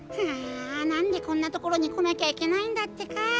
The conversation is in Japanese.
ああなんでこんなところにこなきゃいけないんだってか。